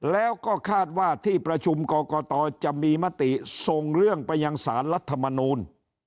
แล้วก็คาดว่าที่ประชุมกรกตจะมีมติส่งเรื่องไปยังสารรัฐมนูล